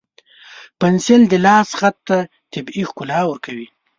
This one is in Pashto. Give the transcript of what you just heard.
پنسل د لاس خط ته طبیعي ښکلا ورکوي.